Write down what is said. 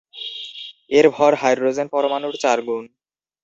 এর ভর হাইড্রোজেন পরমাণুর চার গুণ।